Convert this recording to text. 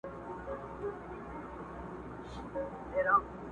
که پاچا دی که امیر ګورته رسیږي؛